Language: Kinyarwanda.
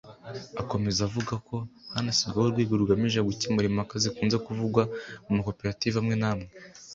Akomeza avuga ko hanashyizweho urwego rugamije gukemura impaka zikunze kuvugwa mu makoperative amwe namwe